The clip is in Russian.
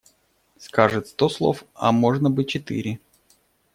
Скажет сто слов, а можно бы четыре.